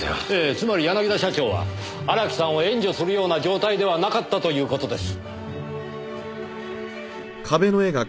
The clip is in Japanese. つまり柳田社長は荒木さんを援助するような状態ではなかったという事です。